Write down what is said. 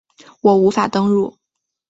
我无法登入